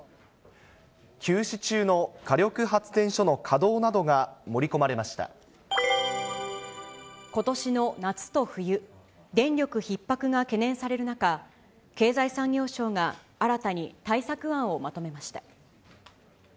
休止中の火力発電所の稼働なことしの夏と冬、電力ひっ迫が懸念される中、経済産業省が新たに対策案をまとめました。